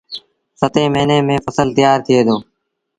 ستيٚن مهيني ميݩ ڦسل تيآر ٿئيٚ دو